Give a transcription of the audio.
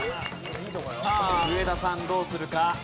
さあ上田さんどうするか？